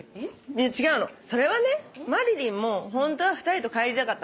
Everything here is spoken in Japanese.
いや違うのそれはねまりりんもホントは２人と帰りたかったの。